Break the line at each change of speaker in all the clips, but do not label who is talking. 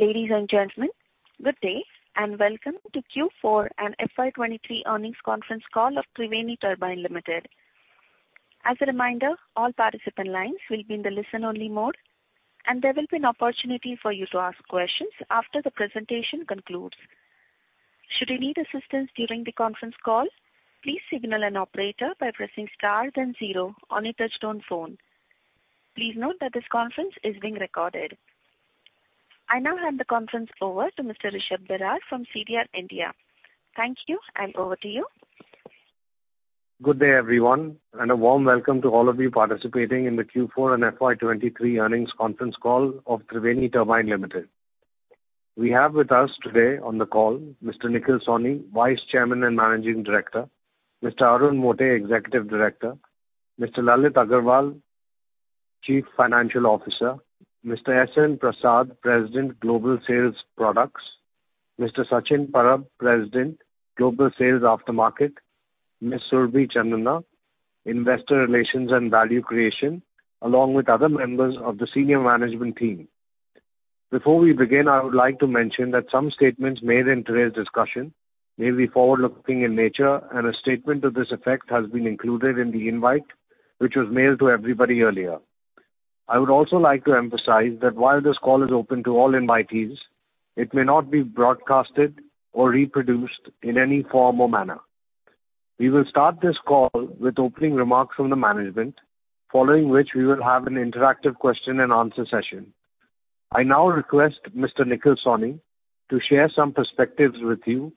Ladies and gentlemen, good day, and welcome to Q4 and FY23 earnings conference call of Triveni Turbine Limited. As a reminder, all participant lines will be in the listen only mode, and there will be an opportunity for you to ask questions after the presentation concludes. Should you need assistance during the conference call, please signal an operator by pressing star then zero on your touchtone phone. Please note that this conference is being recorded. I now hand the conference over to Mr. Rishab Barar from CDR India. Thank you, and over to you. Good day, everyone. A warm welcome to all of you participating in the Q4 and FY 23 earnings conference call of Triveni Turbine Limited. We have with us today on the call Mr. Nikhil Sawhney, Vice Chairman and Managing Director, Mr. Arun Mote, Executive Director, Mr. Lalit Agarwal, Chief Financial Officer, Mr. S.N. Prasad, President, Global Sales Products, Mr. Sachin Parab, President, Global Sales Aftermarket, Ms. Surabhi Chandna, Investor Relations and Value Creation, along with other members of the senior management team. Before we begin, I would like to mention that some statements made in today's discussion may be forward-looking in nature, and a statement to this effect has been included in the invite, which was mailed to everybody earlier. I would also like to emphasize that while this call is open to all invitees, it may not be broadcasted or reproduced in any form or manner. We will start this call with opening remarks from the management, following which we will have an interactive question and answer session. I now request Mr. Nikhil Sawhney to share some perspectives with you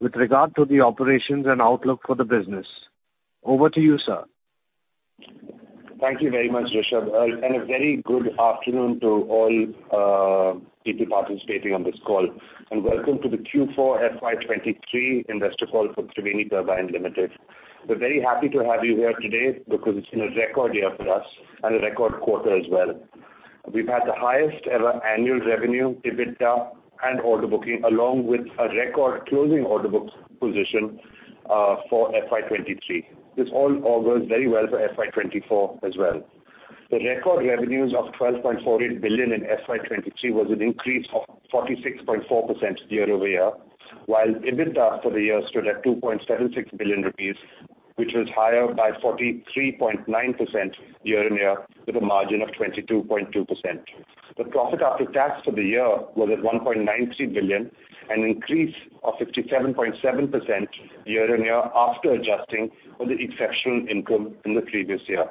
with regard to the operations and outlook for the business. Over to you, sir.
Thank you very much, Rishabh. A very good afternoon to all people participating on this call. Welcome to the Q4 FY 2023 investor call for Triveni Turbine Limited. We're very happy to have you here today because it's been a record year for us and a record quarter as well. We've had the highest ever annual revenue, EBITDA, and order booking, along with a record closing order book position for FY 2023. This all augurs very well for FY 2024 as well. The record revenues of 12.48 billion in FY 2023 was an increase of 46.4% year-over-year, while EBITDA for the year stood at 2.76 billion rupees, which was higher by 43.9% year-on-year with a margin of 22.2%. The profit after tax for the year was at 1.93 billion, an increase of 57.7% year-on-year after adjusting for the exceptional income in the previous year.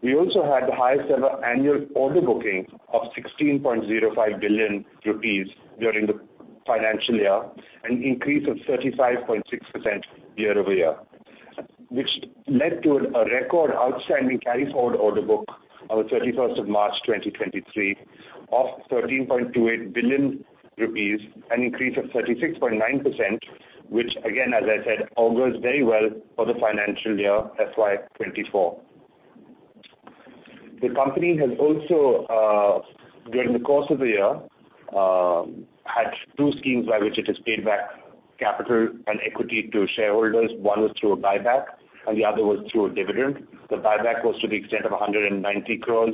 We also had the highest ever annual order booking of 16.05 billion rupees during the financial year, an increase of 35.6% year-over-year, which led to a record outstanding carry-forward order book on the 31st of March 2023 of 13.28 billion rupees, an increase of 36.9%, which again, as I said, augurs very well for the financial year FY 2024. The company has also, during the course of the year, had two schemes by which it has paid back capital and equity to shareholders. One was through a buyback and the other was through a dividend. The buyback was to the extent of 190 crore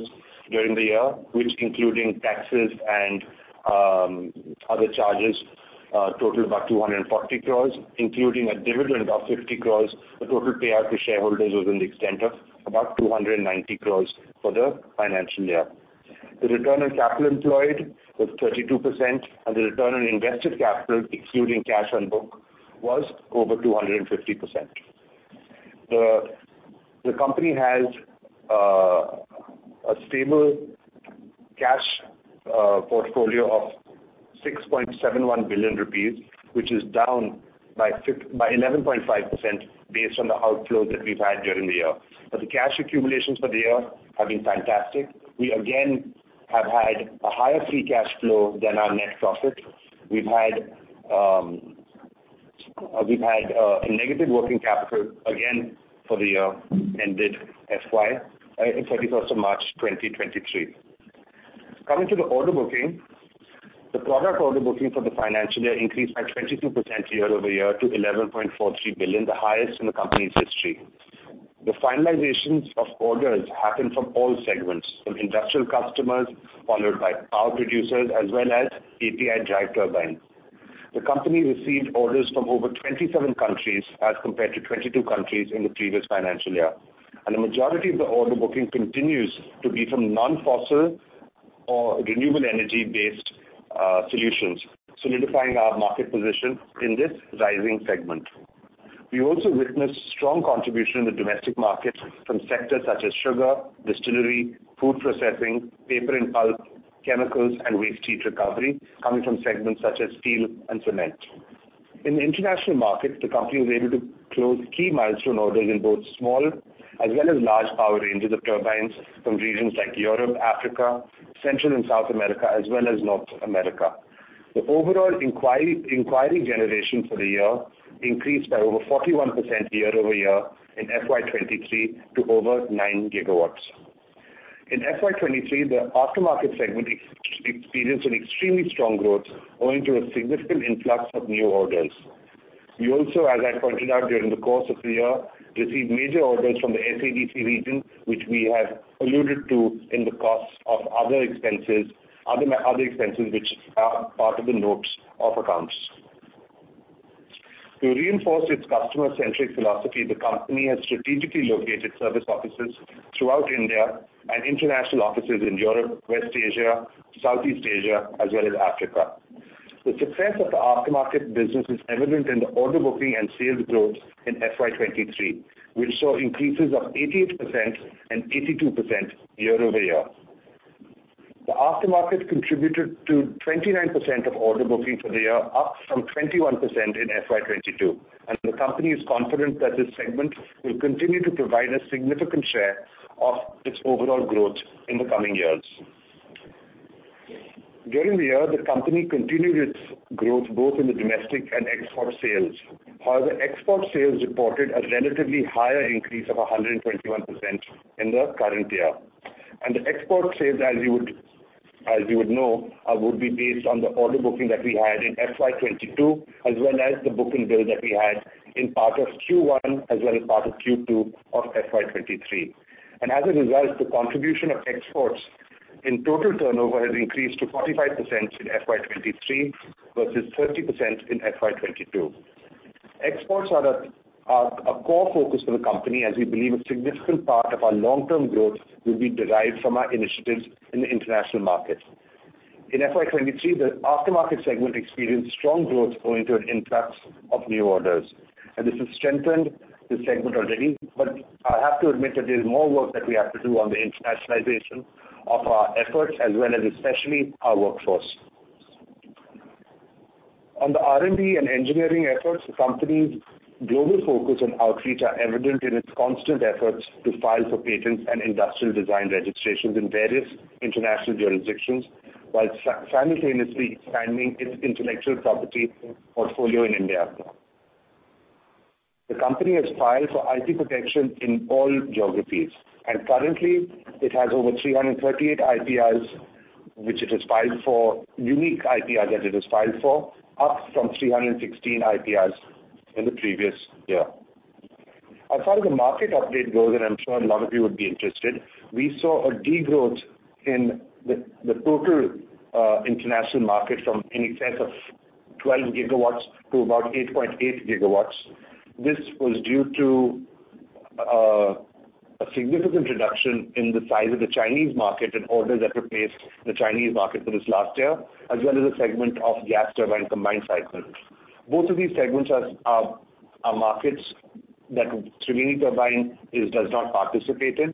during the year, which including taxes and other charges, totaled about 240 crore, including a dividend of 50 crore. The total payout to shareholders was in the extent of about 290 crore for the financial year. The return on capital employed was 32%, and the return on invested capital, excluding cash on book, was over 250%. The company has a stable cash portfolio of 6.71 billion rupees, which is down by 11.5% based on the outflows that we've had during the year. The cash accumulations for the year have been fantastic. We again have had a higher free cash flow than our net profit. We've had a negative working capital again for the year ended FY in 31st of March 2023. Coming to the order booking, the product order booking for the financial year increased by 22% year over year to 11.43 billion, the highest in the company's history. The finalizations of orders happened from all segments, from industrial customers followed by power producers as well as API drive turbine. The company received orders from over 27 countries as compared to 22 countries in the previous financial year. The majority of the order booking continues to be from non-fossil or renewable energy-based solutions, solidifying our market position in this rising segment. We also witnessed strong contribution in the domestic market from sectors such as sugar, distillery, food processing, paper and pulp, chemicals and waste heat recovery coming from segments such as steel and cement. In the international market, the company was able to close key milestone orders in both small as well as large power ranges of turbines from regions like Europe, Africa, Central and South America as well as North America. The overall inquiry generation for the year increased by over 41% year-over-year in FY23 to over 9 gigawatts. In FY23, the aftermarket segment experienced an extremely strong growth owing to a significant influx of new orders. We also, as I pointed out during the course of the year, received major orders from the SADC region, which we have alluded to in the costs of other expenses, other expenses which are part of the notes of accounts. To reinforce its customer-centric philosophy, the company has strategically located service offices throughout India and international offices in Europe, West Asia, Southeast Asia, as well as Africa. The success of the aftermarket business is evident in the order booking and sales growth in FY23, which saw increases of 88% and 82% year-over-year. The aftermarket contributed to 29% of order bookings for the year, up from 21% in FY22, the company is confident that this segment will continue to provide a significant share of its overall growth in the coming years. During the year, the company continued its growth both in the domestic and export sales. However, export sales reported a relatively higher increase of 121% in the current year. The export sales, as you would know, would be based on the order booking that we had in FY22, as well as the booking bill that we had in part of Q1 as well as part of Q2 of FY23. As a result, the contribution of exports in total turnover has increased to 45% in FY23 versus 30% in FY22. Exports are a core focus for the company, as we believe a significant part of our long-term growth will be derived from our initiatives in the international market. In FY 2023, the aftermarket segment experienced strong growth owing to an influx of new orders. This has strengthened this segment already, but I have to admit that there's more work that we have to do on the internationalization of our efforts as well as especially our workforce. On the R&D and engineering efforts, the company's global focus and outreach are evident in its constant efforts to file for patents and industrial design registrations in various international jurisdictions, while simultaneously expanding its intellectual property portfolio in India. The company has filed for IP protection in all geographies, and currently it has over 338 IPRs which it has filed for, unique IPR that it has filed for, up from 316 IPRs in the previous year. As far as the market update goes, and I'm sure a lot of you would be interested, we saw a degrowth in the total international market from in excess of 12 gigawatts to about 8.8 gigawatts. This was due to a significant reduction in the size of the Chinese market and orders that were placed in the Chinese market for this last year, as well as a segment of gas turbine combined cycle. Both of these segments are markets that Triveni Turbine does not participate in.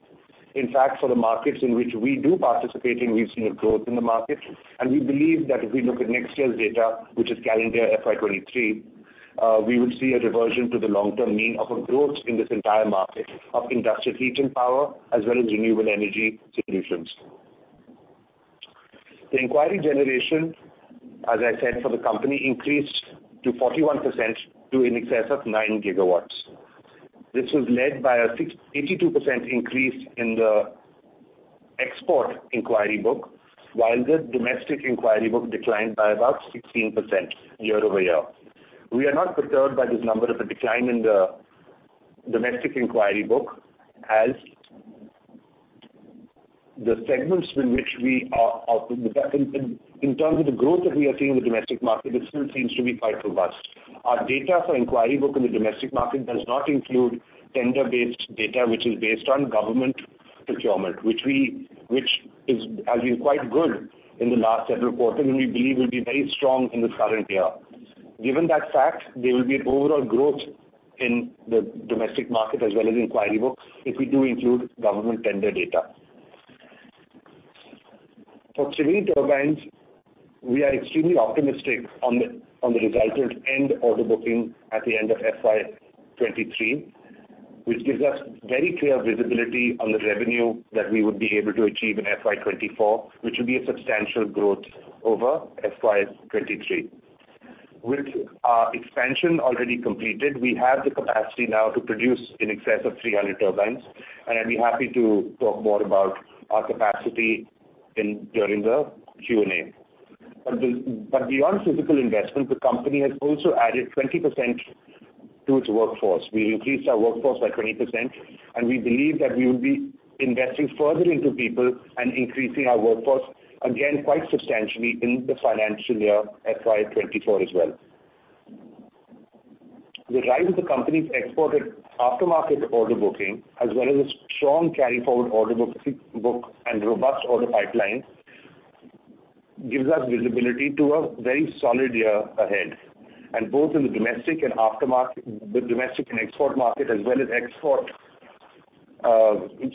In fact, for the markets in which we do participate in, we've seen a growth in the market. We believe that if we look at next year's data, which is calendar FY 23, we will see a reversion to the long-term mean of a growth in this entire market of industrial heat and power as well as renewable energy solutions. The inquiry generation, as I said, for the company increased to 41% to in excess of 9 gigawatts. This was led by a 82% increase in the export inquiry book, while the domestic inquiry book declined by about 16% year-over-year. We are not perturbed by this number of the decline in the domestic inquiry book, as the segments in which we are... In terms of the growth that we are seeing in the domestic market, it still seems to be quite robust. Our data for inquiry book in the domestic market does not include tender-based data, which is based on government procurement, which has been quite good in the last several quarters, and we believe will be very strong in this current year. Given that fact, there will be overall growth in the domestic market as well as inquiry book if we do include government tender data. For Triveni Turbine, we are extremely optimistic on the results and order booking at the end of FY23, which gives us very clear visibility on the revenue that we would be able to achieve in FY24, which will be a substantial growth over FY23. With our expansion already completed, we have the capacity now to produce in excess of 300 turbines, and I'd be happy to talk more about our capacity during the Q&A. Beyond physical investment, the company has also added 20% to its workforce. We increased our workforce by 20%, and we believe that we will be investing further into people and increasing our workforce again quite substantially in the financial year FY 2024 as well. The rise of the company's exported aftermarket order booking, as well as a strong carry-forward order book and robust order pipeline gives us visibility to a very solid year ahead. Both in the domestic and aftermarket, the domestic and export market as well as export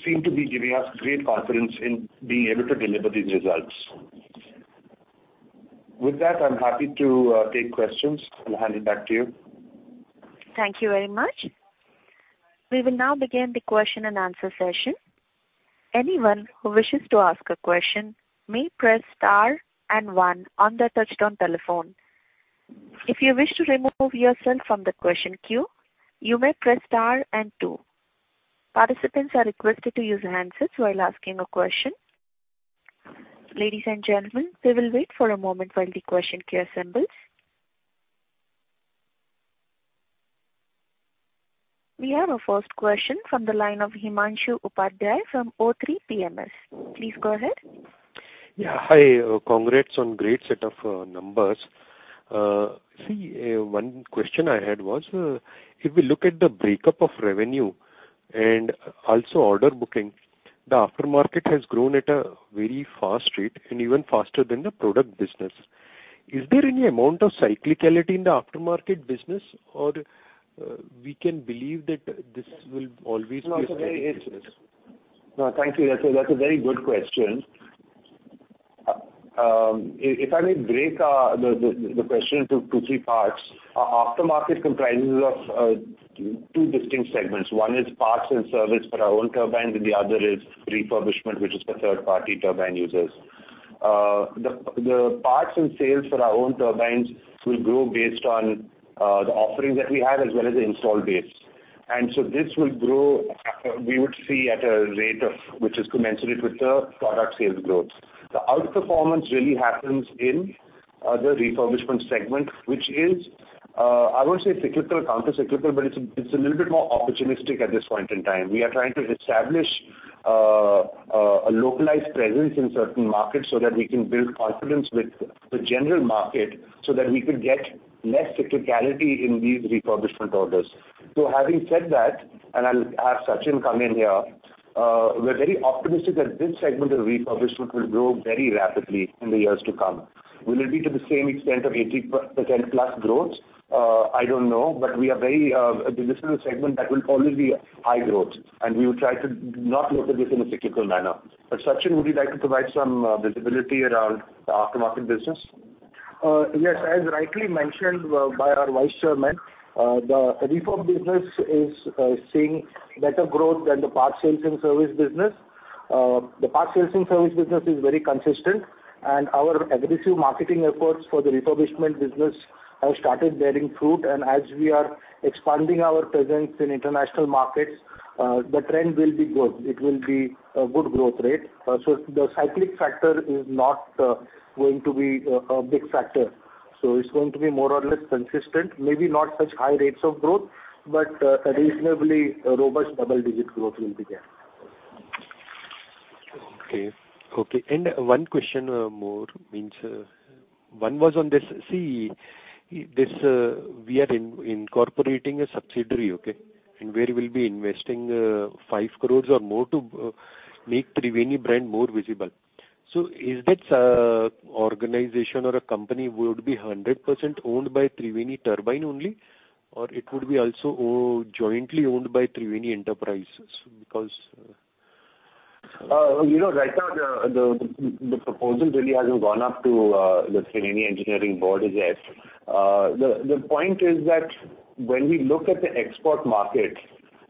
seem to be giving us great confidence in being able to deliver these results. With that, I'm happy to take questions. I'll hand it back to you.
Thank you very much. We will now begin the question and answer session. Anyone who wishes to ask a question may press star and one on their touchtone telephone. If you wish to remove yourself from the question queue, you may press star and two. Participants are requested to use handsets while asking a question. Ladies and gentlemen, we will wait for a moment while the question queue assembles. We have our first question from the line of Himanshu Upadhyay from O3 Capital. Please go ahead.
Yeah. Hi. Congrats on great set of numbers. One question I had was, if we look at the breakup of revenue and also order booking, the aftermarket has grown at a very fast rate and even faster than the product business. Is there any amount of cyclicality in the aftermarket business or, we can believe that this will always be
No, thank you. That's a very good question. If I may break the question into 2, 3 parts. Aftermarket comprises of 2 distinct segments. One is parts and service for our own turbine, and the other is refurbishment, which is for third party turbine users. The parts and sales for our own turbines will grow based on the offerings that we have as well as the installed base. This will grow at a rate of which is commensurate with the product sales growth. The outperformance really happens in the refurbishment segment, which is I won't say cyclical, countercyclical, but it's a little bit more opportunistic at this point in time. We are trying to establish a localized presence in certain markets so that we can build confidence with the general market so that we could get less cyclicality in these refurbishment orders. Having said that, and I'll have Sachin come in here, we're very optimistic that this segment of refurbishment will grow very rapidly in the years to come. Will it be to the same extent of 80% plus growth? I don't know. We are very, this is a segment that will always be high growth, and we will try to not look at this in a cyclical manner. Sachin, would you like to provide some visibility around the aftermarket business?
Yes. As rightly mentioned by our vice chairman, the refurb business is seeing better growth than the parts sales and service business. The parts sales and service business is very consistent, and our aggressive marketing efforts for the refurbishment business have started bearing fruit. As we are expanding our presence in international markets, the trend will be good. It will be a good growth rate. The cyclic factor is not going to be a big factor. It's going to be more or less consistent. Maybe not such high rates of growth, but a reasonably robust double-digit growth will be there.
Okay. Okay. One question more means, one was on this. See, this, we are incorporating a subsidiary, okay? Where we'll be investing 5 crores or more to make Triveni brand more visible. Is that organization or a company would be 100% owned by Triveni Turbine only, or it would be also jointly owned by Triveni Engineering & Industries Ltd.?
You know, right now the proposal really hasn't gone up to the Triveni Engineering board as yet. The point is that when we look at the export market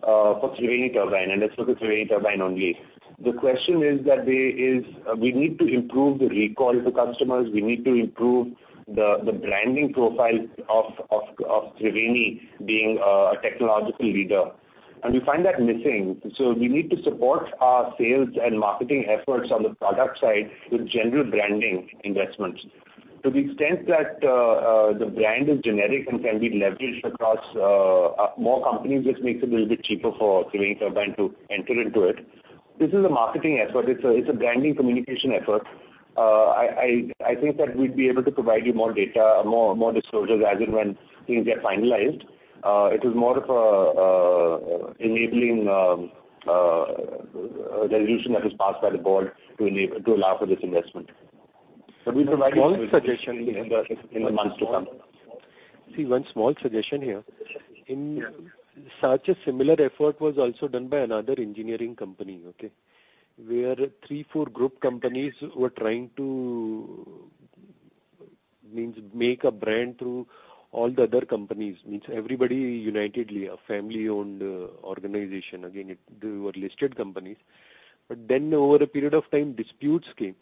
for Triveni Turbine, and it's for the Triveni Turbine only, the question is that we need to improve the recall to customers. We need to improve the branding profile of Triveni being a technological leader. We find that missing. We need to support our sales and marketing efforts on the product side with general branding investments. To the extent that the brand is generic and can be leveraged across more companies, which makes it a little bit cheaper for Triveni Turbine to enter into it, this is a marketing effort. It's a branding communication effort. I think that we'd be able to provide you more data, more disclosures as and when things get finalized. It is more of a enabling resolution that was passed by the board to allow for this investment. We provide in the months to come.
See, one small suggestion here.
Yeah.
In such a similar effort was also done by another engineering company, okay? Where three, four group companies were trying to, means, make a brand through all the other companies, means everybody unitedly, a family-owned organization. Again, they were listed companies. Over a period of time, disputes came.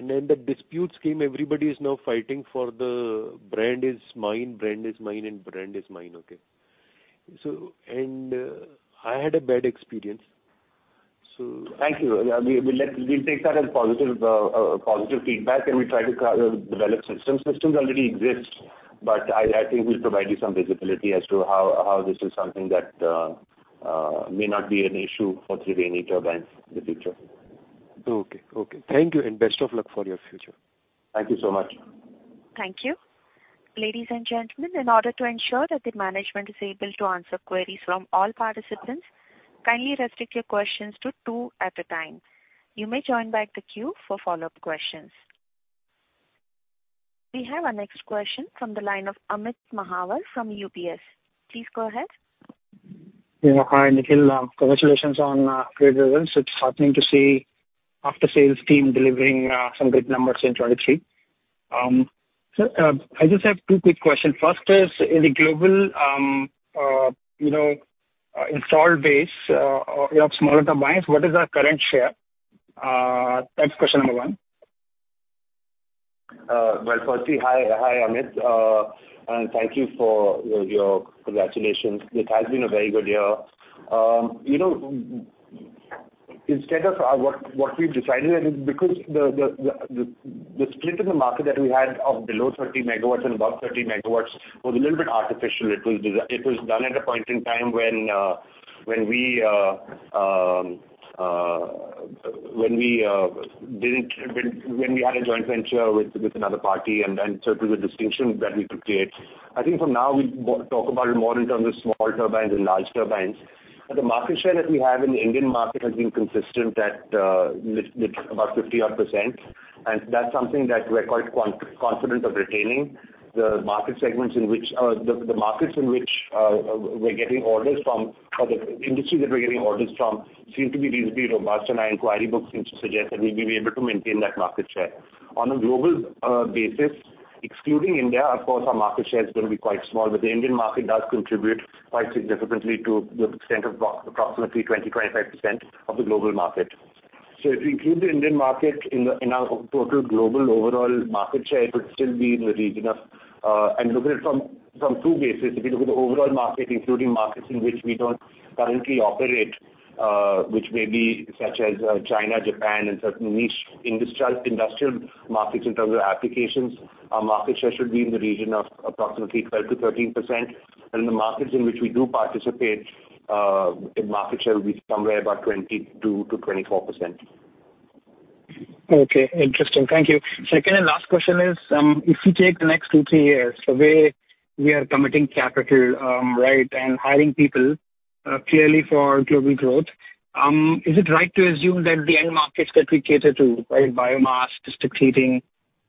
When the disputes came, everybody is now fighting for the brand is mine, brand is mine, and brand is mine. Okay? I had a bad experience.
Thank you. Yeah. We'll take that as positive positive feedback. We'll try to develop systems. Systems already exist. I think we'll provide you some visibility as to how this is something that may not be an issue for Triveni Turbine in the future.
Okay. Okay. Thank you, and best of luck for your future.
Thank you so much.
Thank you. Ladies and gentlemen, in order to ensure that the management is able to answer queries from all participants, kindly restrict your questions to 2 at a time. You may join back the queue for follow-up questions. We have our next question from the line of Amit Mahawar from UBS. Please go ahead.
Yeah. Hi, Nikhil. Congratulations on great results. It's heartening to see after-sales team delivering some great numbers in 2023. I just have 2 quick questions. First is, in the global, you know, installed base, of, you know, smaller turbines, what is our current share? That's question number 1.
Well, Percy, hi. Hi, Amit. Thank you for your congratulations. It has been a very good year. You know, instead of, what we've decided, and because the split in the market that we had of below 30 megawatts and above 30 megawatts was a little bit artificial. It was done at a point in time when we had a joint venture with another party and then sort of the distinction that we could create. I think from now we talk about it more in terms of small turbines and large turbines. The market share that we have in the Indian market has been consistent at about 50 odd %, and that's something that we're quite confident of retaining. The market segments in which the markets in which we're getting orders from, or the industries that we're getting orders from seem to be reasonably robust, and our inquiry book seems to suggest that we will be able to maintain that market share. On a global basis, excluding India, of course, our market share is going to be quite small, but the Indian market does contribute quite significantly to the extent of about approximately 20-25% of the global market. If we include the Indian market in the, in our total global overall market share, it would still be in the region of, and look at it from two bases. If you look at the overall market, including markets in which we don't currently operate, which may be such as China, Japan, and certain niche industrial markets in terms of applications, our market share should be in the region of approximately 12%-13%. In the markets in which we do participate, the market share will be somewhere about 22%-24%.
Okay. Interesting. Thank you. Second and last question is, if you take the next 2, 3 years, the way we are committing capital, right, and hiring people, clearly for global growth, is it right to assume that the end markets that we cater to, right, biomass, district heating,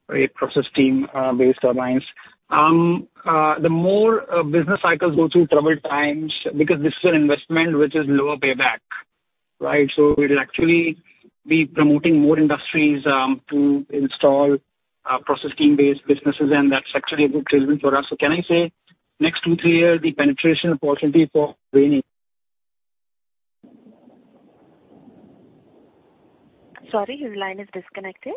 right, process steam based turbines, the more business cycles go through troubled times because this is an investment which is lower payback, right? We'll actually be promoting more industries to install process steam based businesses and that's actually a good treatment for us. Can I say next 2, 3 years, the penetration opportunity for Triveni?
Sorry, your line is disconnected.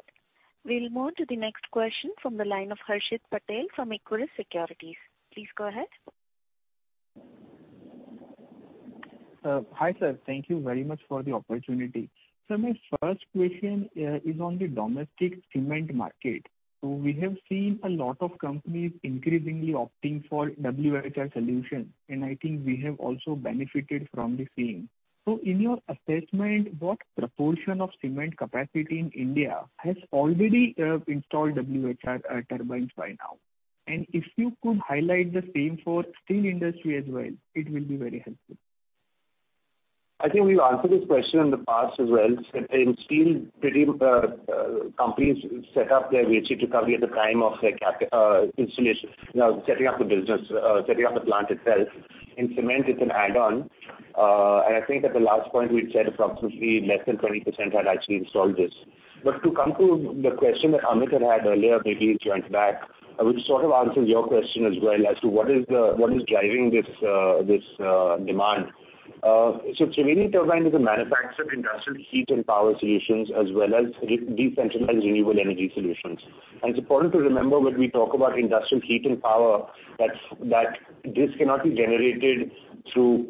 We'll move to the next question from the line of Harshit Patel from Equirus Securities. Please go ahead.
Hi, sir. Thank you very much for the opportunity. My first question is on the domestic cement market. We have seen a lot of companies increasingly opting for WHR solutions, and I think we have also benefited from the same. In your assessment, what proportion of cement capacity in India has already installed WHR turbines by now? If you could highlight the same for steel industry as well, it will be very helpful.
I think we've answered this question in the past as well. In steel, pretty companies set up their WHR recovery at the time of their CapEx installation. Now, setting up the business, setting up the plant itself. In cement, it's an add-on. I think at the last point, we'd said approximately less than 20% had actually installed this. To come to the question that Amit had earlier, maybe he'll join back, which sort of answers your question as well as to what is driving this demand. Triveni Turbine is a manufacturer of industrial heat and power solutions, as well as re-decentralized renewable energy solutions. It's important to remember when we talk about industrial heat and power, that this cannot be generated through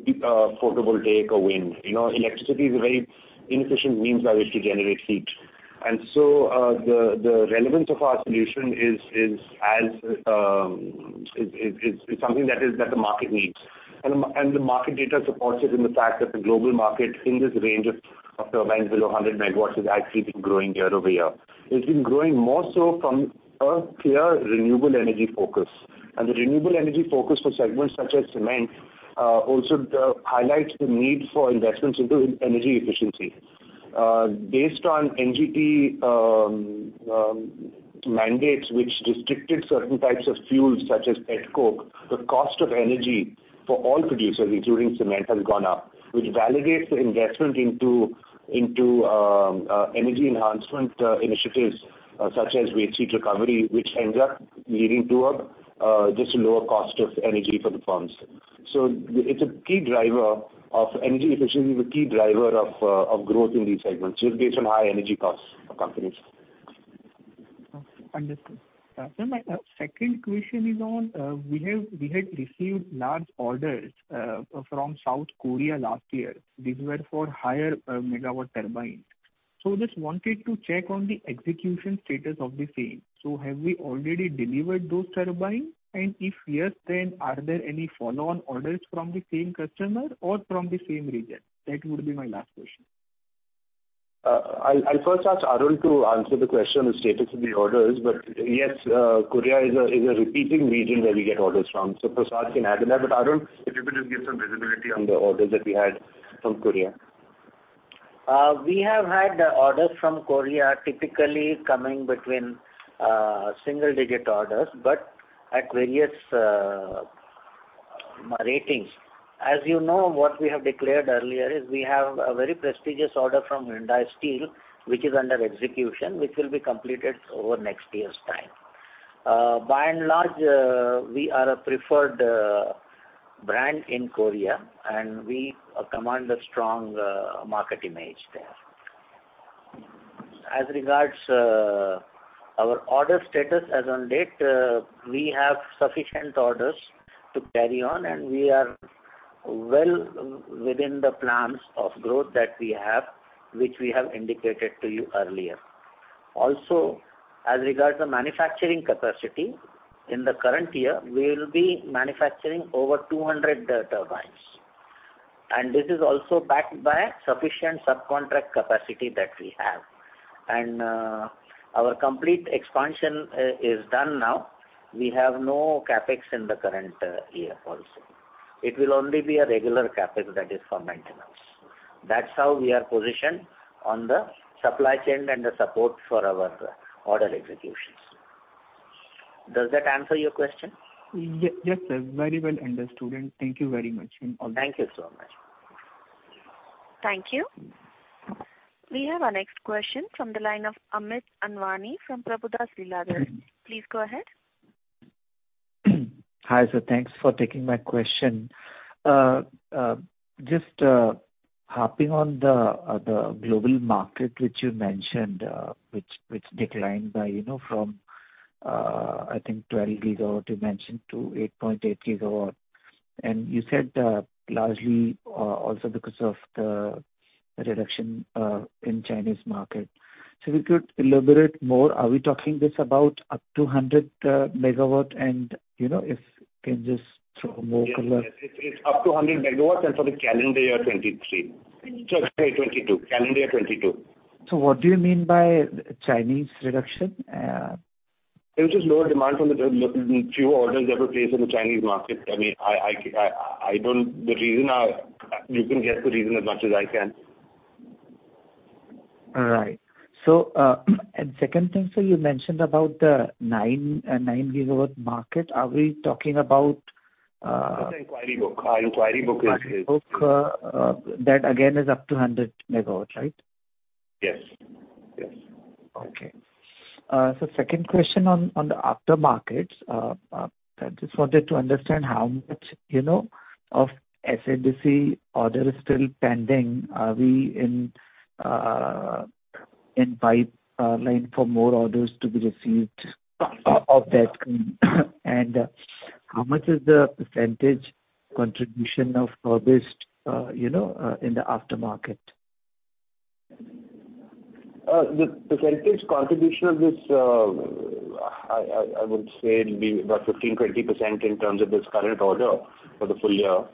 photovoltaic or wind. You know, electricity is a very inefficient means by which to generate heat. The relevance of our solution is as something that the market needs. The market data supports it in the fact that the global market in this range of turbines below 100 megawatts has actually been growing year-over-year. It's been growing more so from a clear renewable energy focus. The renewable energy focus for segments such as cement also highlights the need for investments into energy efficiency. based on NGT mandates which restricted certain types of fuels such as petcoke, the cost of energy for all producers, including cement, has gone up, which validates the investment into energy enhancement initiatives such as waste heat recovery, which ends up leading to a just a lower cost of energy for the firms. It's a key driver of energy efficiency, the key driver of growth in these segments just based on high energy costs for companies.
Understood. Sir, my second question is on, we had received large orders from South Korea last year. These were for higher megawatt turbines. Just wanted to check on the execution status of the same. Have we already delivered those turbines? If yes, are there any follow-on orders from the same customer or from the same region? That would be my last question.
I'll first ask Arun to answer the question on the status of the orders. Yes, Korea is a repeating region where we get orders from. Prasad can add to that. Arun, if you could just give some visibility on the orders that we had from Korea.
We have had orders from Korea typically coming between single digit orders, but at various ratings. As you know, what we have declared earlier is we have a very prestigious order from Hyundai Steel, which is under execution, which will be completed over next year's time. By and large, we are a preferred.
Brand in Korea, and we command a strong market image there. As regards our order status as on date, we have sufficient orders to carry on, and we are well within the plans of growth that we have, which we have indicated to you earlier. Also, as regards the manufacturing capacity, in the current year, we will be manufacturing over 200 turbines. This is also backed by sufficient subcontract capacity that we have. Our complete expansion is done now. We have no CapEx in the current year also. It will only be a regular CapEx that is for maintenance. That's how we are positioned on the supply chain and the support for our order executions. Does that answer your question?
Yes, sir. Very well understood. Thank you very much. All the best.
Thank you so much.
Thank you. We have our next question from the line of Amit Anwani from Prabhudas Lilladher. Please go ahead.
Hi, sir. Thanks for taking my question. Just harping on the global market which you mentioned, which declined by, you know, from, I think 12 gigawatt you mentioned to 8.8 gigawatt. And you said largely also because of the reduction in Chinese market. If you could elaborate more, are we talking this about up to 100 megawatt? And, you know, if you can just throw more color.
Yes, yes. It's up to 100 megawatts and for the calendar year 2023. Sorry, 2022. Calendar year 2022.
What do you mean by Chinese reduction?
It was just lower demand from the few orders that were placed in the Chinese market. I mean, I don't... You can guess the reason as much as I can.
All right. Second thing, sir, you mentioned about the 9 gigawatt market. Are we talking about?
That's the inquiry book. Our inquiry book is.
Inquiry book, that again is up to 100 MW, right?
Yes. Yes.
Okay. Second question on the after-markets. I just wanted to understand how much you know of Salesforce order is still pending. Are we in pipeline for more orders to be received of that kind? How much is the % contribution of Services, you know, in the after-market?
The percentage contribution of this, I would say it'll be about 15-20% in terms of this current order for the full year.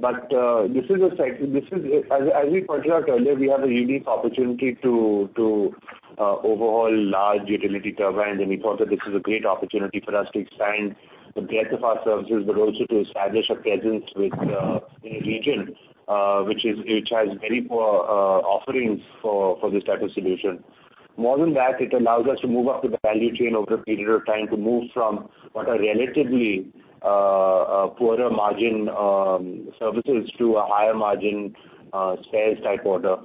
This is a. As we pointed out earlier, we have a unique opportunity to overhaul large utility turbines. We thought that this is a great opportunity for us to expand the breadth of our services, but also to establish a presence with in a region which has very poor offerings for this type of solution. More than that, it allows us to move up the value chain over a period of time to move from what are relatively poorer margin services to a higher margin sales type order.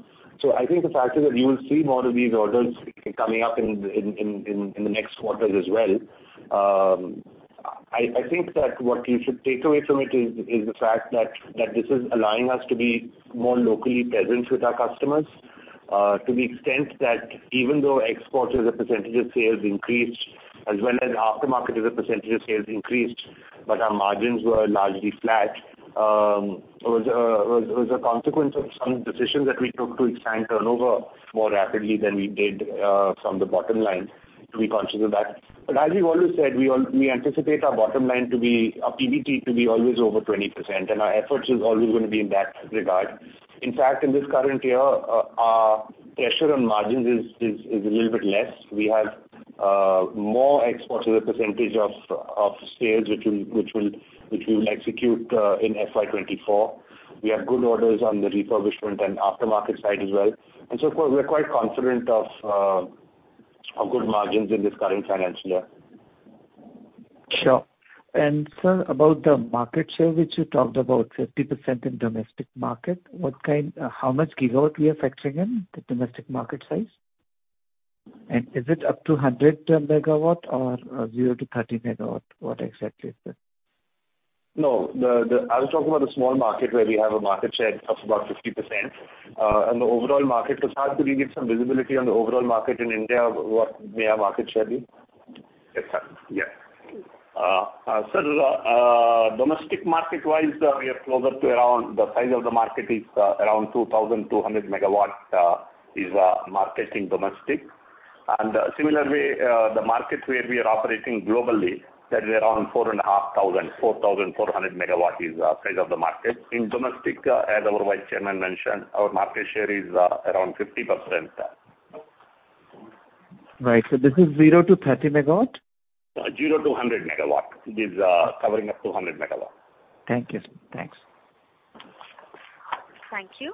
I think the fact is that you will see more of these orders coming up in the next quarters as well. I think that what you should take away from it is the fact that this is allowing us to be more locally present with our customers, to the extent that even though exports as a percentage of sales increased as well as aftermarket as a percentage of sales increased, but our margins were largely flat, it was a consequence of some decisions that we took to expand turnover more rapidly than we did from the bottom line to be conscious of that. As we've always said, we anticipate our bottom line to be, our PBT to be always over 20%, our efforts is always going to be in that regard. In fact, in this current year, our pressure on margins is a little bit less. We have more exports as a percentage of sales, which we will execute in FY 2024. We have good orders on the refurbishment and after-market side as well. Of course, we're quite confident of good margins in this current financial year.
Sure. Sir, about the market share which you talked about, 50% in domestic market, how much gigawatt we are factoring in the domestic market size? Is it up to 100 megawatt or 0-30 megawatt? What exactly is it?
No. I was talking about the small market where we have a market share of about 50%. The overall market, Prasad, could you give some visibility on the overall market in India, what may our market share be?
Yes, sir.
Yeah.
Sir, domestic market wise, we are closer to around the size of the market is around 2,200 megawatt, is market in domestic. Similarly, the market where we are operating globally, that is around 4,500. 4,400 megawatt is size of the market. In domestic, as our vice chairman mentioned, our market share is around 50% there.
Right. This is 0 to 30 megawatt?
Zero to 100 megawatt. It is covering up to 100 megawatt.
Thank you, sir. Thanks.
Thank you.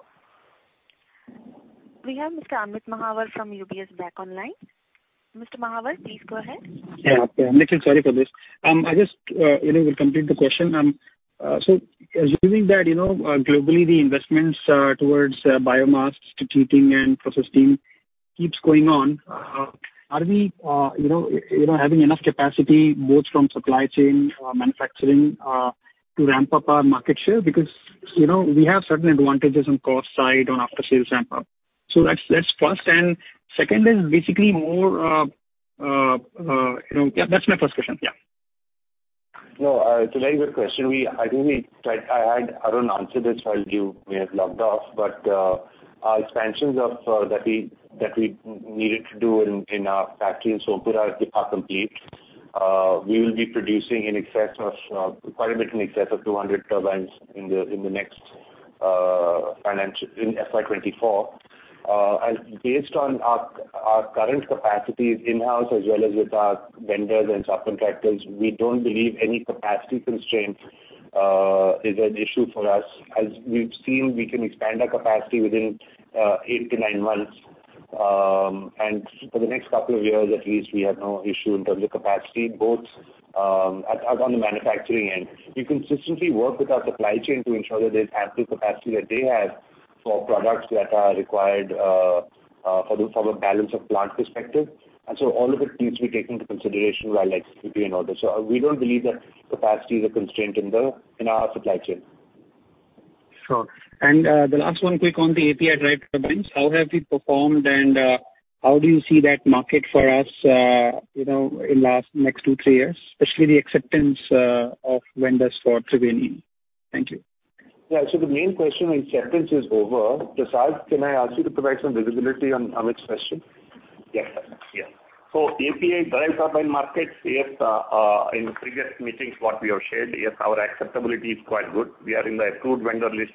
We have Mr. Amit Mahawar from UBS back online. Mr. Mahawar, please go ahead.
Yeah. Amit, sorry for this. I just, you know, will complete the question. Assuming that, you know, globally the investments towards biomass to heating and processing. Keeps going on, are we, you know, having enough capacity both from supply chain, manufacturing, to ramp up our market share? You know, we have certain advantages on cost side on after-sales ramp-up. That's, that's first. Second is basically more, you know. Yeah, that's my first question. Yeah.
No, it's a very good question. I think I had Arun answer this while you may have logged off. Our expansions of that we needed to do in our factory in Sompura are complete. We will be producing in excess of quite a bit in excess of 200 turbines in the next financial. In FY 2024. Based on our current capacities in-house as well as with our vendors and subcontractors, we don't believe any capacity constraint is an issue for us, as we've seen we can expand our capacity within 8 to 9 months. For the next couple of years at least, we have no issue in terms of capacity, both on the manufacturing end. We consistently work with our supply chain to ensure that they have the capacity that they have for products that are required for the balance of plant perspective. All of it needs to be taken into consideration while executing orders. We don't believe that capacity is a constraint in our supply chain.
Sure. The last one, quick on the API drive turbines, how have we performed, and how do you see that market for us, you know, in last, next 2, 3 years, especially the acceptance of vendors for Triveni? Thank you.
Yeah. The main question on acceptance is over. Prasad, can I ask you to provide some visibility on Amit's question?
Yes, sir. API drive turbine markets, yes, in previous meetings, what we have shared, yes, our acceptability is quite good. We are in the approved vendor list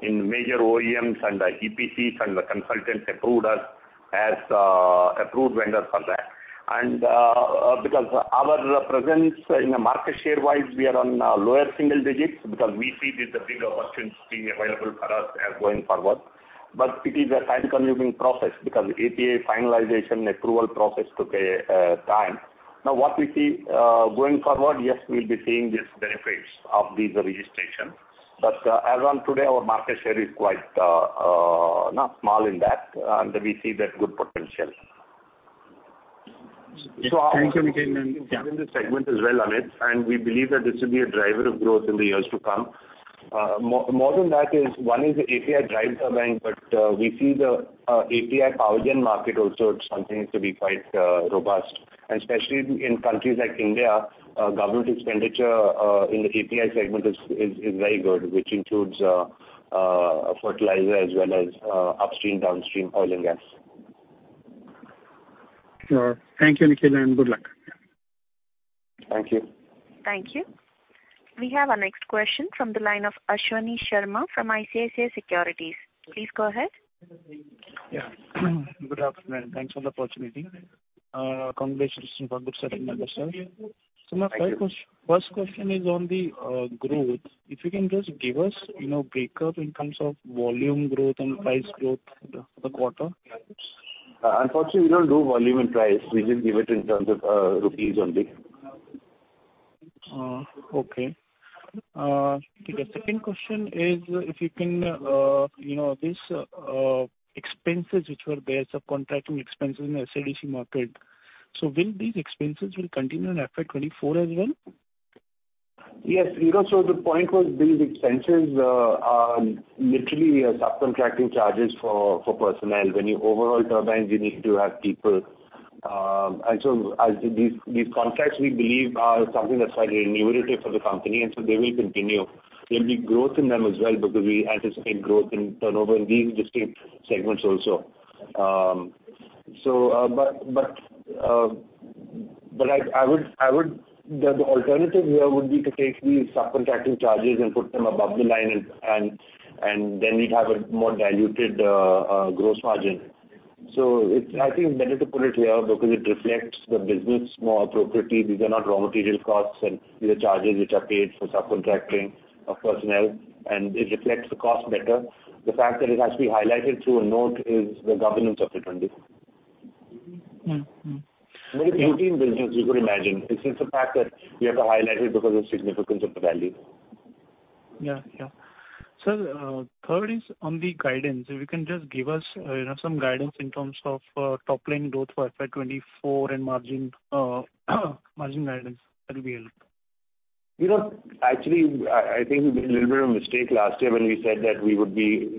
in major OEMs and EPCs, and the consultants approved us as approved vendors for that. Because our presence in the market share-wise, we are on lower single digits, because we see this a big opportunity available for us as going forward. It is a time-consuming process because API finalization approval process took a time. What we see going forward, yes, we'll be seeing these benefits of these registrations. As on today, our market share is quite not small in that, and we see that good potential.
Thank you, Nikhil. yeah.
Segment as well, Amit. We believe that this will be a driver of growth in the years to come. More than that is one is API drive turbine. We see the API power gen market also as something to be quite robust. Especially in countries like India, government expenditure in the API segment is very good, which includes fertilizer as well as upstream/downstream oil and gas.
Sure. Thank you, Nikhil, and good luck.
Thank you.
Thank you. We have our next question from the line of Ashwani Sharma from ICICI Securities. Please go ahead.
Good afternoon. Thanks for the opportunity. Congratulations on good set of numbers, sir. My first question is on the growth. If you can just give us, you know, breakup in terms of volume growth and price growth for the quarter.
Unfortunately, we don't do volume and price. We just give it in terms of rupees only.
Okay. The second question is if you can, you know, these expenses which were there, subcontracting expenses in the SADC market, will these expenses continue in FY 2024 as well?
Yes. You know, the point was these expenses are literally subcontracting charges for personnel. When you overhaul turbines, you need to have people. As these contracts, we believe are something that's quite remunerative for the company, and so they will continue. There'll be growth in them as well because we anticipate growth in turnover in these distinct segments also. I would. The alternative here would be to take these subcontracting charges and put them above the line and then we'd have a more diluted gross margin. It's, I think, better to put it here because it reflects the business more appropriately. These are not raw material costs, and these are charges which are paid for subcontracting of personnel, and it reflects the cost better. The fact that it has to be highlighted through a note is the governance of it only.
Mm-hmm. Mm-hmm.
Very routine business, you could imagine. It's the fact that we have to highlight it because of significance of the value.
Yeah. Yeah. Sir, third is on the guidance. If you can just give us, you know, some guidance in terms of, top line growth for FY 2024 and margin guidance, that'll be helpful.
You know, actually, I think we made a little bit of a mistake last year when we said that we would be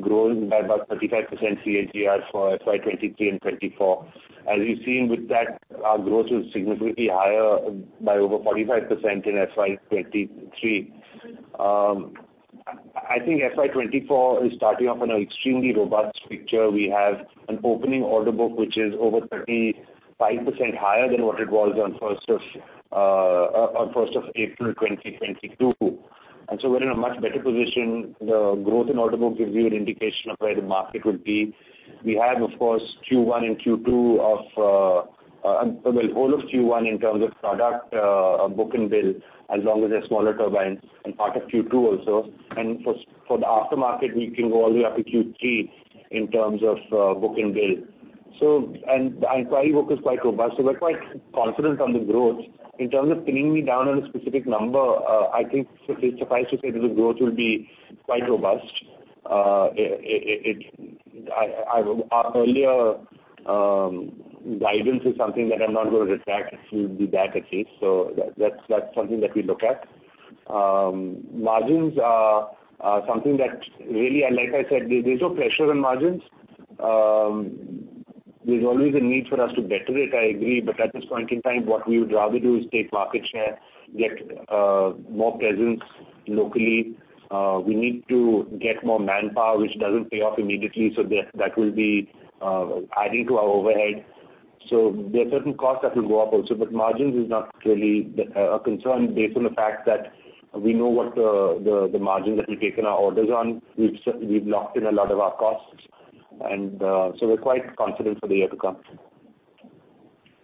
growing by about 35% CAGR for FY 2023 and 2024. As you've seen with that, our growth was significantly higher by over 45% in FY 2023. I think FY 2024 is starting off on an extremely robust picture. We have an opening order book which is over 35% higher than what it was on first of April 2022. So we're in a much better position. The growth in order book gives you an indication of where the market will be. We have, of course, Q1 and Q2 of well, whole of Q1 in terms of product, book and bill, as long as they're smaller turbines, and part of Q2 also. For the aftermarket, we can go all the way up to Q3 in terms of book and bill. The inquiry book is quite robust, so we're quite confident on the growth. In terms of pinning me down on a specific number, I think suffice to say that the growth will be quite robust. Our earlier guidance is something that I'm not going to retract, it will be that case. That's something that we look at. Margins are something that really, like I said, there's no pressure on margins. There's always a need for us to better it, I agree. At this point in time, what we would rather do is take market share, get more presence locally. We need to get more manpower, which doesn't pay off immediately, so that will be adding to our overhead. There are certain costs that will go up also. Margins is not really a concern based on the fact that we know what the margins that we've taken our orders on. We've locked in a lot of our costs and, so we're quite confident for the year to come.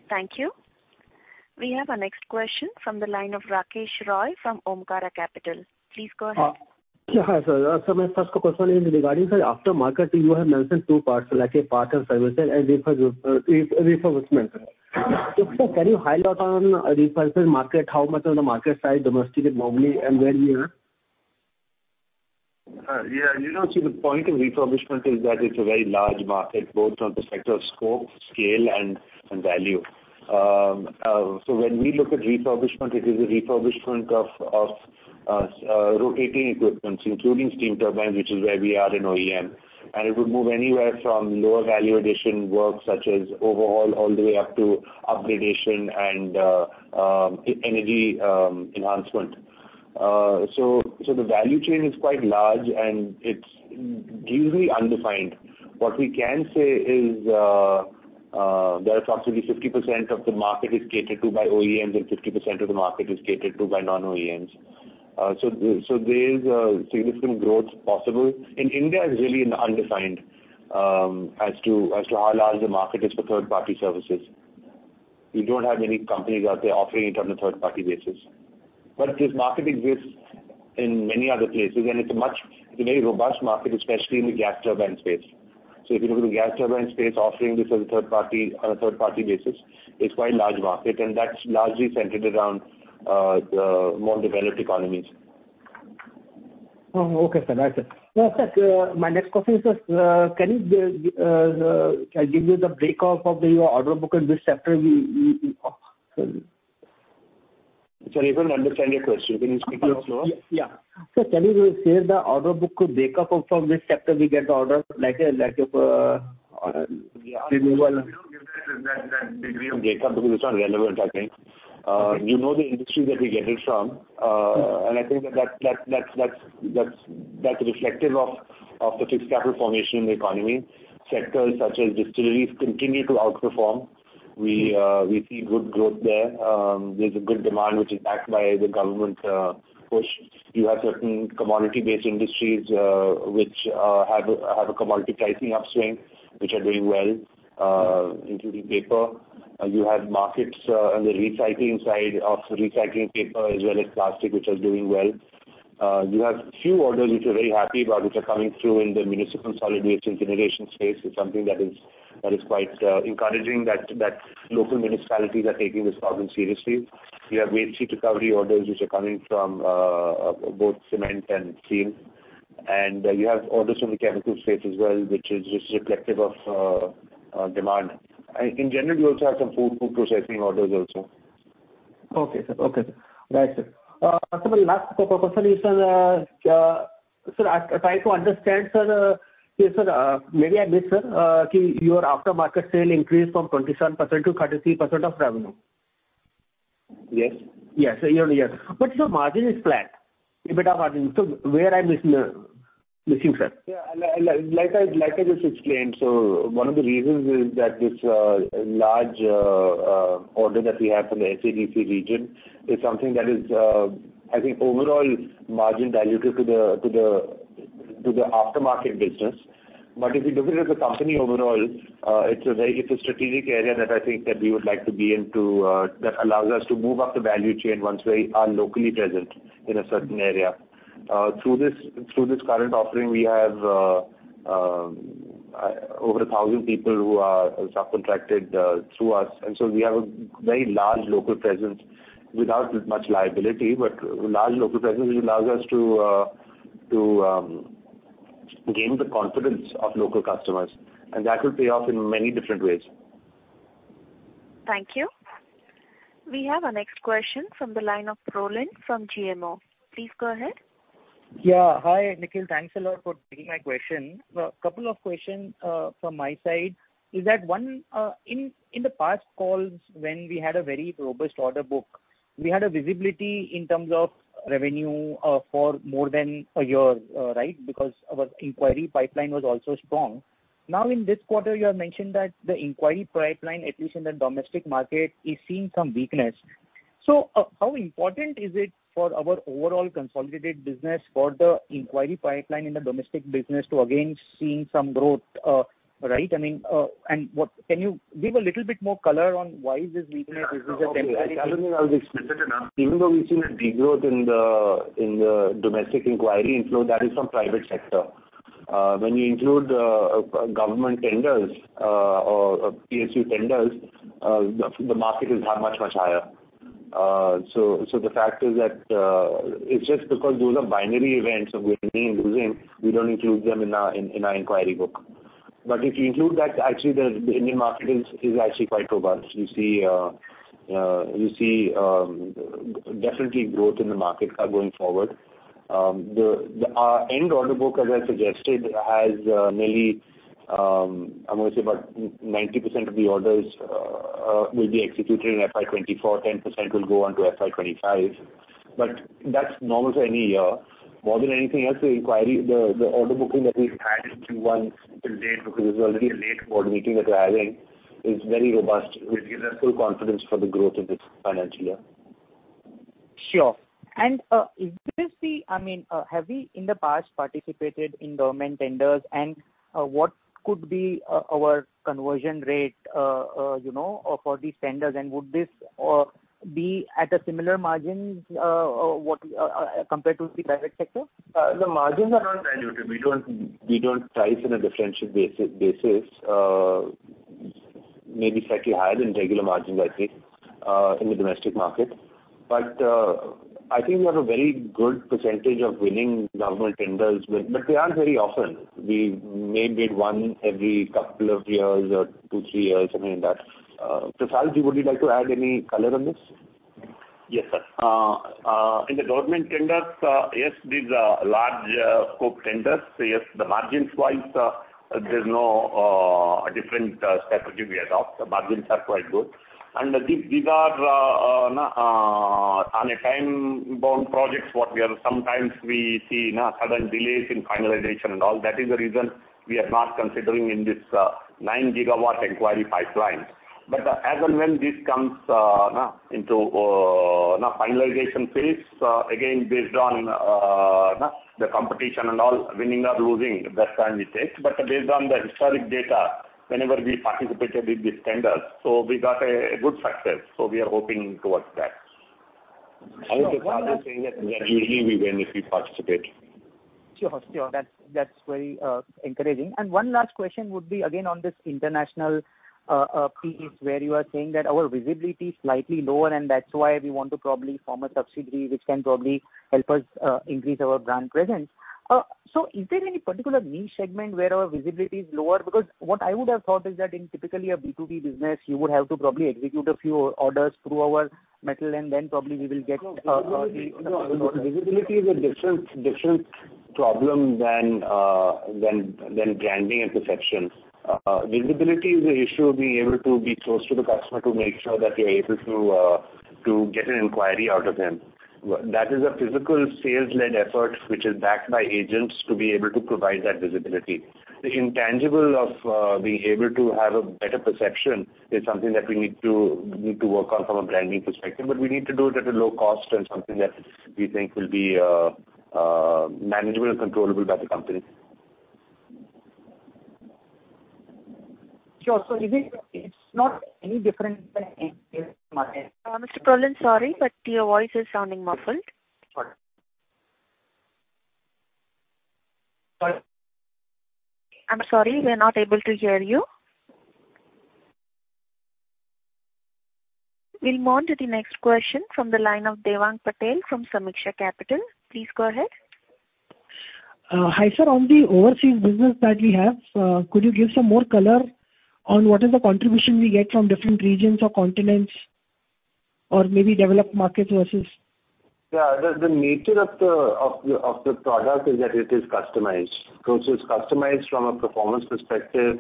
Thank you. We have our next question from the line of Rakesh Roy from Omkara Capital. Please go ahead.
Yeah, hi sir. My first question is regarding, sir, aftermarket you have mentioned two parts, like part and Services and refurbishment. Sir, can you highlight on refurbishment market, how much of the market size domestically normally and where we are?
Yeah. You know, see the point of refurbishment is that it's a very large market, both from the perspective of scope, scale, and value. When we look at refurbishment, it is a refurbishment of rotating equipments, including steam turbines, which is where we are in OEM. It would move anywhere from lower value addition work such as overhaul, all the way up to upgradation and e-energy enhancement. The value chain is quite large, and it's duly undefined. What we can say is that approximately 50% of the market is catered to by OEMs and 50% of the market is catered to by non-OEMs. There is significant growth possible. In India, it's really undefined, as to how large the market is for third party services. We don't have many companies out there offering it on a third party basis. This market exists in many other places, and it's a very robust market, especially in the gas turbine space. If you look at the gas turbine space offering, this is a third party on a third party basis. It's quite a large market, and that's largely centered around the more developed economies.
Okay, sir. Right, sir. sir, my next question is, can you give me the breakup of your order book and which sector Sorry.
Sorry, I don't understand your question. Can you speak a little slower?
Yeah. Sir, can you share the order book breakup of from which sector we get the orders, like?
We don't give that degree of break up because it's not relevant, I think. You know the industry that we're getting from, I think that's reflective of the fixed capital formation in the economy. Sectors such as distilleries continue to outperform. We see good growth there. There's a good demand, which is backed by the government push. You have certain commodity based industries, which have a commodity pricing upswing, which are doing well, including paper. You have markets on the recycling side of recycling paper as well as plastic, which are doing well. You have few orders which we're very happy about, which are coming through in the municipal solid waste incineration space. It's something that is quite encouraging that local municipalities are taking this problem seriously. We have waste heat recovery orders which are coming from both cement and steel. You have orders from the chemical space as well, which is just reflective of demand. In general, we also have some food processing orders also.
Okay, sir. Okay, sir. Right, sir. sir, my last question is, sir, I try to understand, sir, yes, sir. Maybe I missed, sir, your aftermarket sale increased from 27% to 33% of revenue?
Yes.
Yes. Year on year. Your margin is flat, EBITDA margin. Where I'm missing, sir?
Yeah. Like I just explained, One of the reasons is that this large order that we have from the SADC region is something that is, I think overall margin dilutive to the aftermarket business. If you look at it as a company overall, it's a strategic area that I think that we would like to be into, that allows us to move up the value chain once we are locally present in a certain area. Through this current offering, we have over 1,000 people who are subcontracted through us. We have a very large local presence without much liability, but large local presence which allows us to gain the confidence of local customers. That will pay off in many different ways.
Thank you. We have our next question from the line of Roland from GMO. Please go ahead.
Yeah. Hi, Nikhil. Thanks a lot for taking my question. A couple of questions from my side is that, one, in the past calls, when we had a very robust order book, we had a visibility in terms of revenue for more than a year, right? Because our inquiry pipeline was also strong. Now, in this quarter, you have mentioned that the inquiry pipeline, at least in the domestic market, is seeing some weakness. How important is it for our overall consolidated business for the inquiry pipeline in the domestic business to again seeing some growth, right? I mean, Can you give a little bit more color on why is this weakness? Is this a temporary-
I don't think I'll discuss it enough. Even though we've seen a degrowth in the domestic inquiry inflow, that is from private sector. When you include government tenders, or PSU tenders, the market is that much higher. So the fact is that it's just because those are binary events of winning, losing, we don't include them in our inquiry book. If you include that, actually the Indian market is actually quite robust. You see, definitely growth in the market going forward. Our end order book, as I suggested, has nearly I'm going to say about 90% of the orders will be executed in FY 2024, 10% will go on to FY 2025. That's normal for any year. More than anything else, the order booking that we've had in 2 months till date, because this is already a late board meeting that we're having, is very robust, which gives us full confidence for the growth of this financial year.
Sure. Did you see, I mean, have we in the past participated in government tenders? What could be our conversion rate, you know, for these tenders? Would this be at a similar margin compared to the private sector?
The margins are not regulated. We don't price on a differential basis. Maybe slightly higher than regular margins, I think in the domestic market. I think we have a very good percentage of winning government tenders. They aren't very often. We may bid one every couple of years or two, three years, something like that. Prasadji, would you like to add any color on this?
Yes, sir. In the government tenders, yes, these are large scope tenders. Yes, the margins-wise, there's no different strategy we adopt. The margins are quite good. These are on a time-bound projects what we are sometimes we see sudden delays in finalization and all. That is the reason we are not considering in this nine gigawatt inquiry pipeline. As and when this comes into finalization phase, again, based on the competition and all, winning or losing, that time it takes. Based on the historic data, whenever we participated in these tenders, we got a good success. We are hoping towards that.
I would just add by saying that usually we win if we participate.
Sure. That's very encouraging. One last question would be, again, on this international piece where you are saying that our visibility is slightly lower, and that's why we want to probably form a subsidiary which can probably help us increase our brand presence. Is there any particular niche segment where our visibility is lower? Because what I would have thought is that in typically a B2B business, you would have to probably execute a few orders through our metal and then probably we will get.
No, visibility is a different problem than branding and perception. Visibility is an issue of being able to be close to the customer to make sure that you're able to get an inquiry out of them. That is a physical sales-led effort, which is backed by agents to be able to provide that visibility. The intangible of being able to have a better perception is something that we need to work on from a branding perspective, but we need to do it at a low cost and something that we think will be manageable and controllable by the company.
Sure. It's not any different than
Mr. Pralhad, sorry, but your voice is sounding muffled.
Sorry.
I'm sorry, we're not able to hear you. We'll move on to the next question from the line of Devang Patel from Sameeksha Capital. Please go ahead.
Hi, sir. On the overseas business that we have, could you give some more color on what is the contribution we get from different regions or continents or maybe developed markets versus...
Yeah. The nature of the product is that it is customized. It's customized from a performance perspective.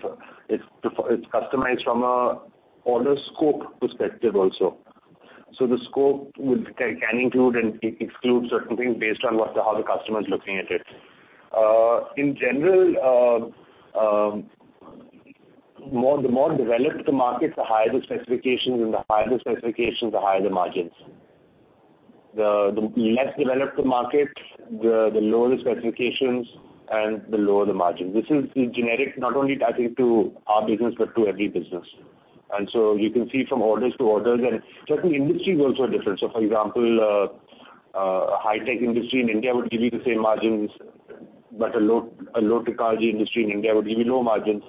It's customized from a order scope perspective also. The scope can include and exclude certain things based on what the, how the customer is looking at it. In general, the more developed the markets, the higher the specifications, and the higher the specifications, the higher the margins. The less developed the market, the lower the specifications and the lower the margin. This is the generic, not only tied into our business, but to every business. You can see from orders to orders. Certain industries also are different. For example, a high-tech industry in India would give you the same margins, but a low technology industry in India would give you low margins.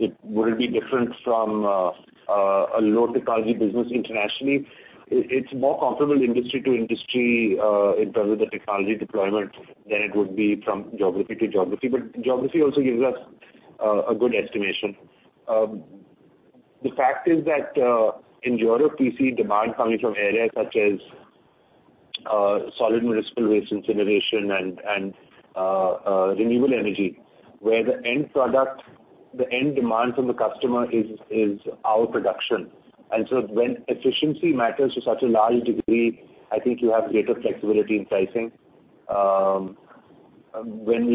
It wouldn't be different from a low technology business internationally. It's more comparable industry to industry in terms of the technology deployment than it would be from geography to geography. Geography also gives us a good estimation. The fact is that in Europe we see demand coming from areas such as municipal solid waste incineration and renewable energy, where the end product, the end demand from the customer is our production. When efficiency matters to such a large degree, I think you have greater flexibility in pricing. When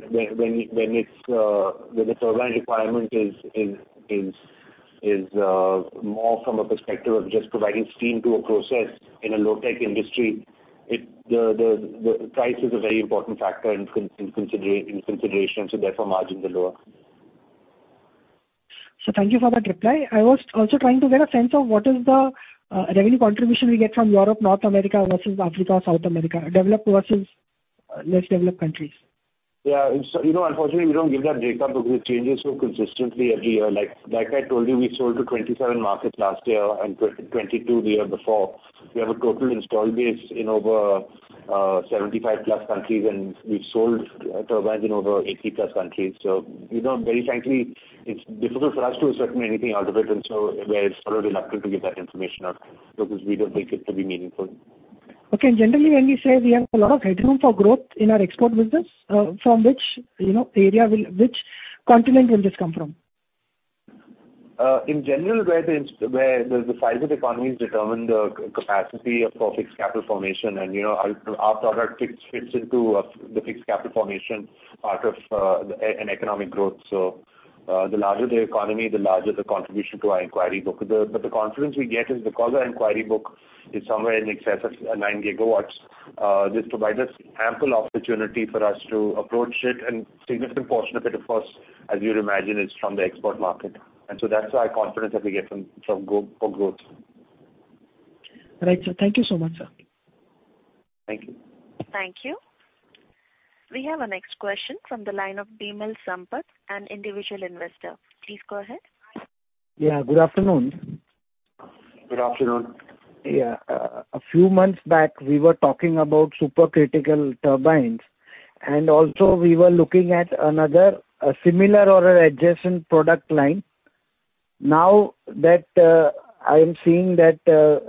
it's, when the turbine requirement is more from a perspective of just providing steam to a process in a low-tech industry, the price is a very important factor in consideration, so therefore margins are lower.
Thank you for that reply. I was also trying to get a sense of what is the revenue contribution we get from Europe, North America versus Africa, South America, developed versus less developed countries.
You know, unfortunately, we don't give that breakup because it changes so consistently every year. Like I told you, we sold to 27 markets last year and 22 the year before. We have a total install base in over 75 plus countries, and we've sold turbines in over 80 plus countries. You know, very frankly, it's difficult for us to ascertain anything out of it, and so we're sort of reluctant to give that information out because we don't think it will be meaningful.
Okay. Generally, when you say we have a lot of headroom for growth in our export business, which continent will this come from?
In general, where the size of economies determine the capacity for fixed capital formation. You know, our product fits into the fixed capital formation part of economic growth. The larger the economy, the larger the contribution to our inquiry book. The confidence we get is because our inquiry book is somewhere in excess of 9 gigawatts, this provide us ample opportunity for us to approach it. Significant portion of it, of course, as you'd imagine, is from the export market. That's our confidence that we get from for growth.
Right, sir. Thank you so much, sir.
Thank you.
Thank you. We have our next question from the line of Bimal Sampat, an individual investor. Please go ahead. Yeah, good afternoon.
Good afternoon. A few months back, we were talking about supercritical turbines, and also we were looking at another, a similar or adjacent product line. Now that I am seeing that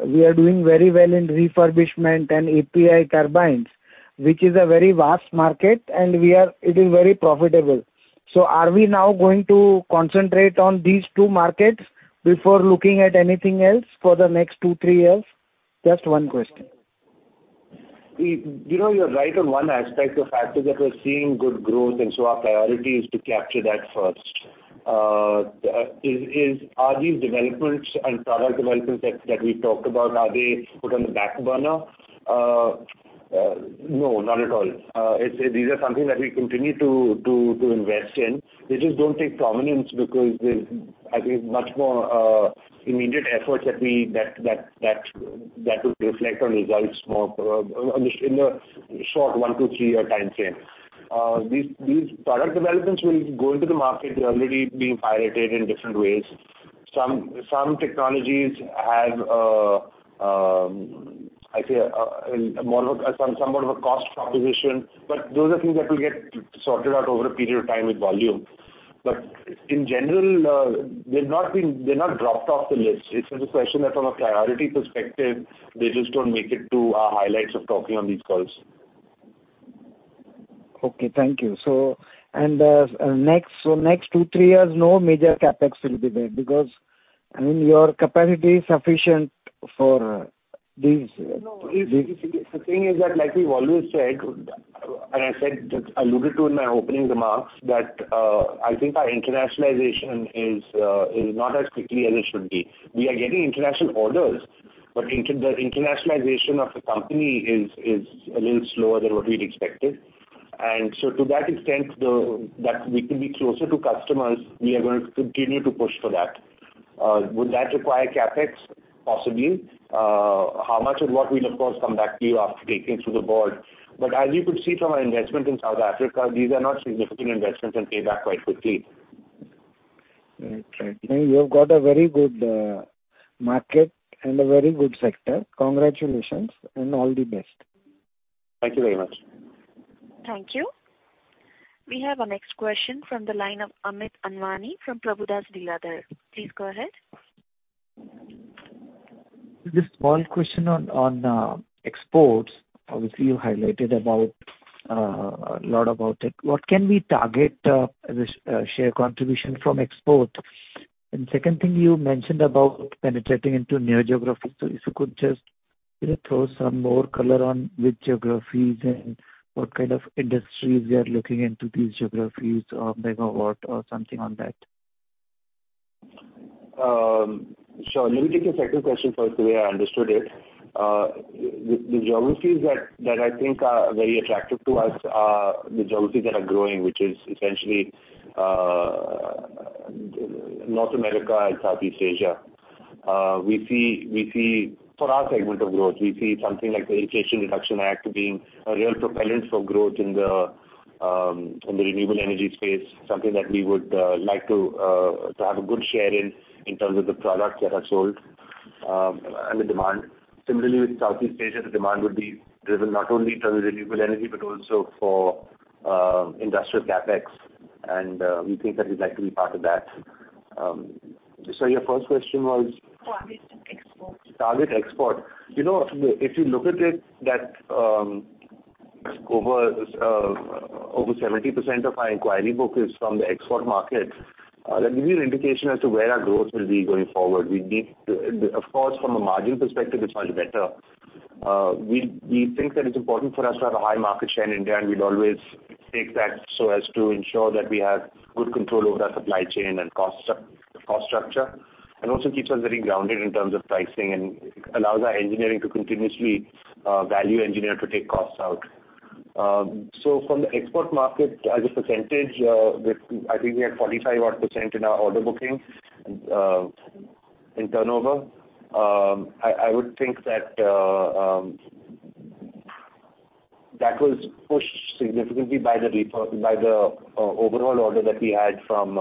we are doing very well in refurbishment and API turbines, which is a very vast market, and it is very profitable. Are we now going to concentrate on these 2, 3 markets before looking at anything else for the next 2, 3 years? Just one question. You know, you're right on one aspect. The fact is that we're seeing good growth, our priority is to capture that first. Are these developments and product developments that we talked about, are they put on the back burner? No, not at all. These are something that we continue to invest in. They just don't take prominence because there's, I think, much more immediate efforts that would reflect on results more in the short 1 to 3-year timeframe. These product developments will go into the market. They're already being piloted in different ways. Some technologies have, I'd say, somewhat of a cost proposition, those are things that will get sorted out over a period of time with volume. In general, they're not dropped off the list. It's just a question that from a priority perspective, they just don't make it to our highlights of talking on these calls. Okay. Thank you. Next 2, 3 years, no major CapEx will be there because, I mean, your capacity is sufficient for these... No. The thing is that, like we've always said, and I said, just alluded to in my opening remarks, that I think our internationalization is not as quickly as it should be. We are getting international orders, but the internationalization of the company is a little slower than what we'd expected. To that extent, that we could be closer to customers, we are going to continue to push for that. Would that require CapEx? Possibly. How much of what, we'll of course come back to you after taking it to the board. As you could see from our investment in South Africa, these are not significant investments and pay back quite quickly. Okay. You have got a very good market and a very good sector. Congratulations and all the best. Thank you very much.
Thank you. We have our next question from the line of Amit Anwani from Prabhudas Lilladher. Please go ahead.
Just small question on exports. Obviously, you highlighted about a lot about it. What can we target as a share contribution from exports? Second thing, you mentioned about penetrating into new geographies. If you could just, you know, throw some more color on which geographies and what kind of industries we are looking into these geographies, megawatt or something on that?
Sure. Let me take your second question first, the way I understood it. The geographies that I think are very attractive to us are the geographies that are growing, which is essentially North America and Southeast Asia. We see for our segment of growth, we see something like the Inflation Reduction Act being a real propellant for growth in the renewable energy space, something that we would like to have a good share in terms of the products that are sold and the demand. Similarly, with Southeast Asia, the demand would be driven not only in terms of renewable energy, but also for industrial CapEx, and we think that we'd like to be part of that. Your first question was?
Target export.
Target export. You know, if you look at it that, over 70% of our inquiry book is from the export market, that gives you an indication as to where our growth will be going forward. Of course, from a margin perspective, it's much better. We think that it's important for us to have a high market share in India, and we'd always take that so as to ensure that we have good control over our supply chain and cost structure. Also keeps us very grounded in terms of pricing and allows our engineering to continuously value engineer to take costs out. From the export market as a percentage, I think we had 45% odd in our order booking. In turnover, I would think that that was pushed significantly by the overall order that we had from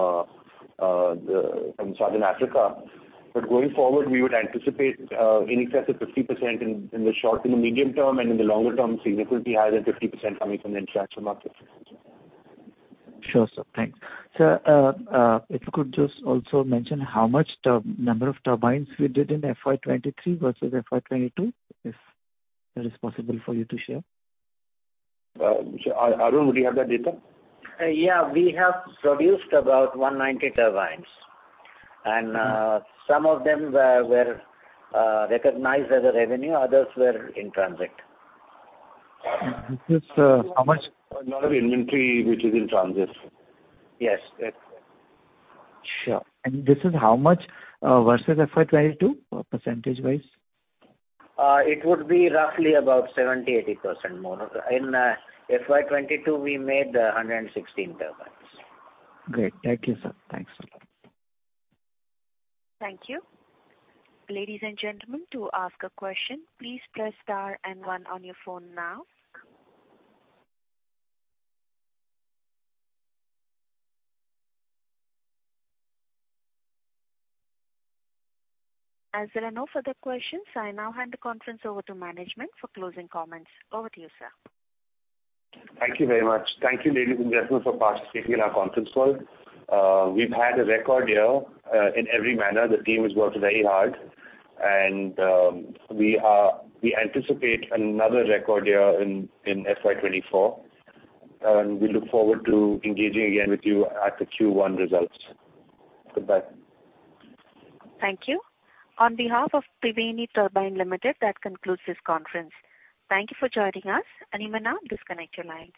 Southern Africa. Going forward, we would anticipate in excess of 50% in the short and the medium term, and in the longer term, significantly higher than 50% coming from the international markets.
Sure, sir. Thanks. Sir, if you could just also mention how much number of turbines we did in FY 2023 versus FY 2022, if that is possible for you to share?
Arun, do you have that data?
Yeah. We have produced about 190 turbines. Some of them were recognized as a revenue, others were in transit.
This is how much?
A lot of inventory which is in transit.
Yes, that's it.
Sure. This is how much, versus FY 22, percentage-wise?
It would be roughly about 70%-80% more. In FY 22, we made 116 turbines.
Great. Thank you, sir. Thanks a lot.
Thank you. Ladies and gentlemen, to ask a question, please press star and one on your phone now. As there are no further questions, I now hand the conference over to management for closing comments. Over to you, sir.
Thank you very much. Thank you, ladies and gentlemen, for participating in our conference call. We've had a record year, in every manner. The team has worked very hard, and we anticipate another record year in FY 2024. We look forward to engaging again with you at the Q1 results. Goodbye.
Thank you. On behalf of Triveni Turbine Limited, that concludes this conference. Thank you for joining us. You may now disconnect your lines.